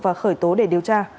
và khởi tố để điều tra